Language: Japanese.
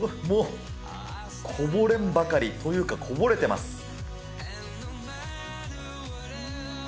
もう、こぼれんばかりというか、こぼれてます。